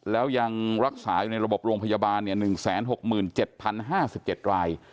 แล้วยังรักษาอยู่ในระบบโรงพยาบาล๑๖๗๐๕๗ราย